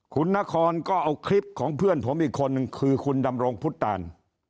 คุณนครก็เอาคลิปของเพื่อนผมอีกคนนึงคือคุณดำรงพุทธตาน